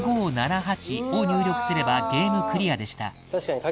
「０５７８を入力すればゲームクリアでした」